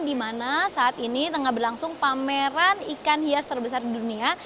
di mana saat ini tengah berlangsung pameran ikan hias terbesar di dunia